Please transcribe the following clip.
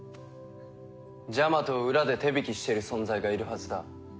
ジャマトを裏で手引きしている存在がいるはずだ。